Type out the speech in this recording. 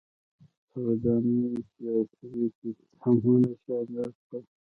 • په ودانیو کې عصري سیستمونه شامل شول.